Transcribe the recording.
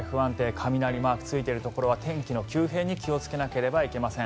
雷マークがついてるところは天気の急変に気をつけないといけません。